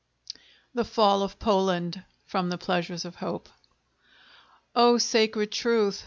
THE FALL OF POLAND From the 'Pleasures of Hope' O Sacred Truth!